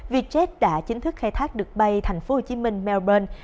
vietjet đã chính thức khai thác được bay tp hcm melbourne